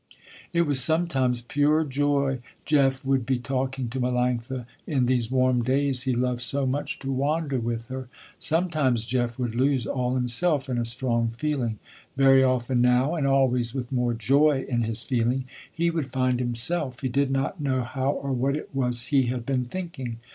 It was sometimes pure joy Jeff would be talking to Melanctha, in these warm days he loved so much to wander with her. Sometimes Jeff would lose all himself in a strong feeling. Very often now, and always with more joy in his feeling, he would find himself, he did not know how or what it was he had been thinking.